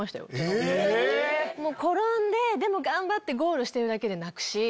転んででも頑張ってゴールしてるだけで泣くし。